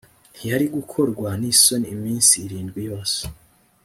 ntiyari gukorwa nisoni iminsi irindwi yose.